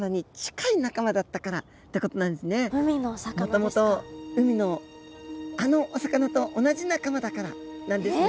もともと海のあのお魚と同じ仲間だからなんですね。